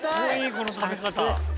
この食べ方。